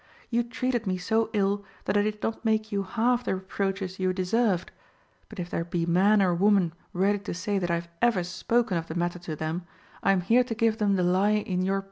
You treated me so ill that I did not make you half the reproaches you deserved; but if there be man or woman ready to say that I have ever spoken of the matter to them, I am here to give them the lie in your presence."